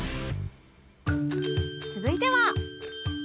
続いては